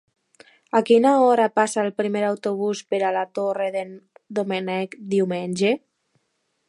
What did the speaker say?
A quina hora passa el primer autobús per la Torre d'en Doménec diumenge?